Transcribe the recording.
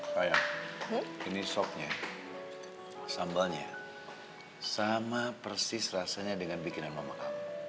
kayak ini sopnya sambalnya sama persis rasanya dengan bikinan mamaka